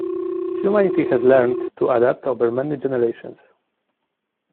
Humanity has learned to adapt over many generations.